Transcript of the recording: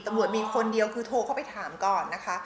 ตำรวจมีคนเดียวคือโทรเข้าไปถามก่อนนะคะ